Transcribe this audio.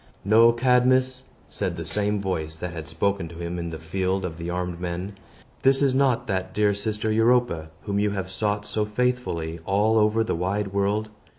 "No, Cadmus," said the same voice that had spoken to him in the field of the armed men, "this is not that dear sister Europa whom you have sought so faithfully all over the wide world.